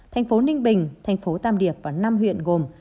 thành phố ninh bình thành phố tam điệp và năm huyện gồm